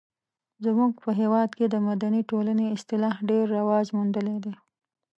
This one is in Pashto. زموږ په هېواد کې د مدني ټولنې اصطلاح ډیر رواج موندلی دی.